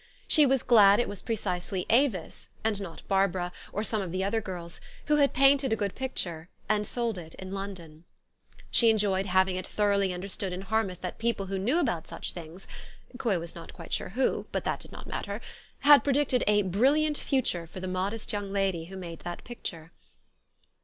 She was glad it was precisely Avis, and not Barbara, or some of the other girls, who had painted a good picture, and sold it in London. She enjoyed having THE STORY OF AVIS. 17 it thoroughly understood in Harmouth that people who knew about such things (Coy was not quite sure who ; but that did not matter) had predicted a " brilliant future " for the modest young lady who made that picture.